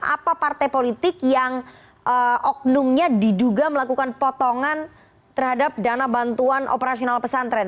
apa partai politik yang oknumnya diduga melakukan potongan terhadap dana bantuan operasional pesantren